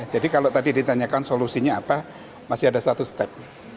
jadi kalau tadi ditanyakan solusinya apa masih ada satu step